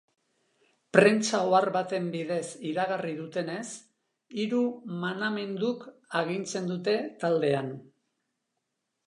Prentsa ohar baten bidez iragarri dutenez, hiru manamenduk agintzen dute taldean.